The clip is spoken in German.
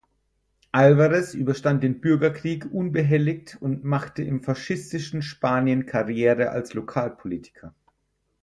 Alvarez überstand den Bürgerkrieg unbehelligt und machte im faschistischen Spanien Karriere als Lokalpolitiker.